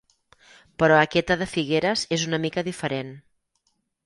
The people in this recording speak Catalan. Però aquesta de Figueres és una mica diferent.